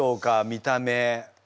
見た目。